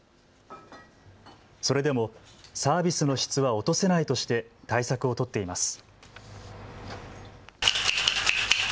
それでもサービスの質は落とせないとして対策を取っています。